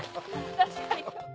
確かに。